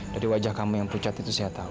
dari wajah kamu yang pucat itu saya tahu